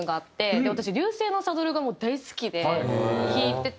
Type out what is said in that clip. で私『流星のサドル』がもう大好きで聴いてて。